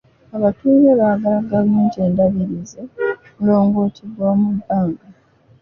Abatuuze baagala gavumenti eddaabirize omulongooti gw'omu bbanga.